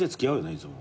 いつも。